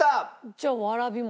じゃあわらび餅。